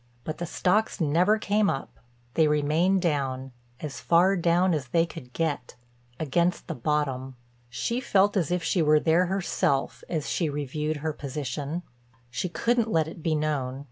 But the stocks never came up, they remained down, as far down as they could get, against the bottom. She felt as if she was there herself as she reviewed her position. She couldn't let it be known.